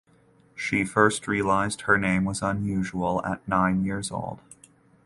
She first realized her name was unusual at nine years old.